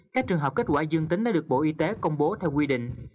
các trường hợp kết quả dương tính đã được bộ y tế công bố theo quy định